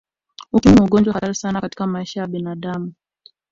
Ukimwi ni ugonjwa hatari sana katika maisha ya binadamu